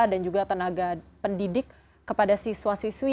dan juga tenaga pendidik kepada siswa siswi